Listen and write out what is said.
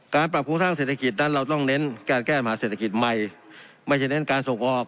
การปรับโครงสร้างเศรษฐกิจนั้นเราต้องเน้นการแก้ปัญหาเศรษฐกิจใหม่ไม่ใช่เน้นการส่งออก